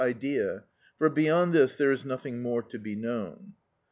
_, idea, for beyond this there is nothing more to be known.